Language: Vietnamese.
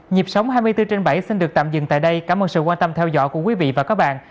nhịp sống hai mươi bốn trên bảy xin được tạm dừng tại đây cảm ơn sự quan tâm theo dõi của quý vị và các bạn